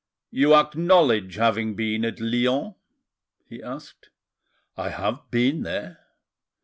"You acknowledge having been at Lyons?" he asked. "I have been there."